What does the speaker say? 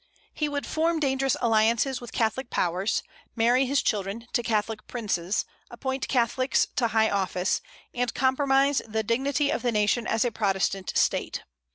He would form dangerous alliances with Catholic powers, marry his children to Catholic princes, appoint Catholics to high office, and compromise the dignity of the nation as a Protestant State.